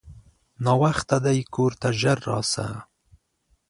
ناوخته دی کورته ژر راسه!